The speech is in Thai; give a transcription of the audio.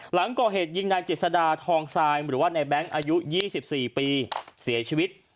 หลังก่อเหตุยิงนายเจษดาทองทรายหรือว่าในแบงค์อายุ๒๔ปีเสียชีวิต